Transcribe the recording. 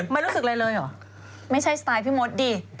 ไม่รู้สึกอะไรเลยเหรอ